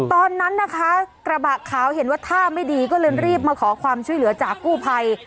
ตอนนั้นนะคะกระบะขาวเห็นว่าท่าไม่ดีก็เลยรีบมาขอความช่วยเหลือจากกู้ภัย